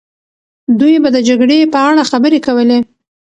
دوی به د جګړې په اړه خبرې کولې.